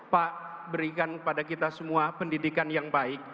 pak berikan kepada kita semua pendidikan yang baik